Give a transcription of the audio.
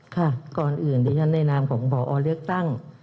ค่ะก่อนอื่นที่ฉันแนะนำของของปอเลือกตั้ง